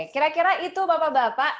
kira kira itu bapak bapak